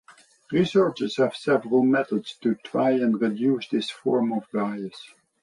Researchers have several methods to try and reduce this form of bias.